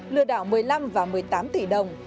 lừa đảo một mươi năm và một mươi tám tỷ đồng